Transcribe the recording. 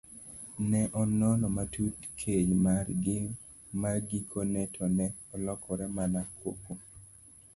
Ne onono matut keny margi magikone to ne olokore mana koko.